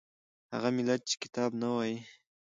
هغه ملت چې کتاب نه وايي